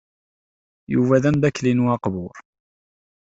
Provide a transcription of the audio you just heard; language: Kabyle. Yuba d ameddakel-inu aqbur.